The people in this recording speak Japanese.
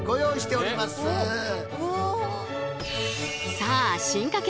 さあ進化系